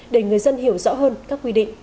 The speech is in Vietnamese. để người dân hiểu rõ hơn các quy định